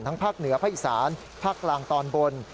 ทั้งภาคเหนือพระอิสานภาคกลางตอนบน